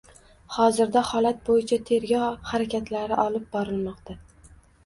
Hozirda holat bo‘yicha tergov harakatlari olib borilmoqda